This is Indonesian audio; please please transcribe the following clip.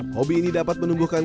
mobil ini dapat menumbuhkan